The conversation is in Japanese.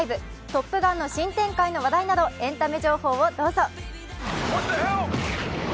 「トップガン」の新展開の話題などエンタメ情報をどうぞ。